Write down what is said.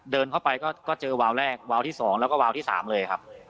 เดินเข้าไปก็เจอวาวแรกวาวที่๒แล้วก็วาวที่๓เลยครับ